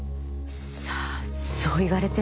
さあそう言われても。